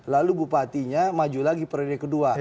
lalu bupatinya maju lagi periode kedua